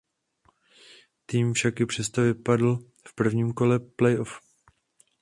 Tým však i přesto vypadl v prvním kole playoff.